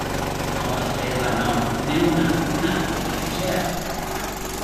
no, Estela , no. dime una , una , la que sea .